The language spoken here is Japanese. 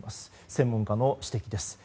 専門家の指摘です。